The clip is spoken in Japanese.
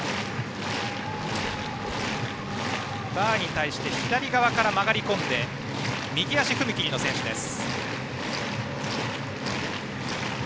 バーに対して左側から回り込んで右足踏み切りの選手です。